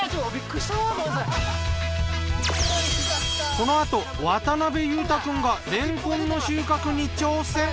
このあと渡辺裕太くんがれんこんの収穫に挑戦！